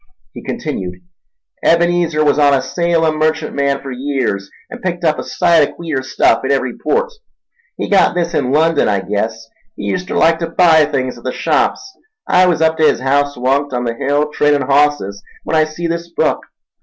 He continued. "Ebenezer was on a Salem merchantman for years, an' picked up a sight o' queer stuff in every port. He got this in London, I guess—he uster like ter buy things at the shops. I was up ta his haouse onct, on the hill, tradin' hosses, when I see this book.